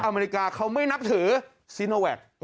อเมริกาเขาไม่นับถือซีโนแวค